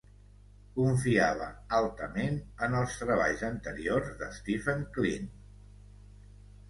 Confiava altament en els treballs anteriors d'Stephen Kleene.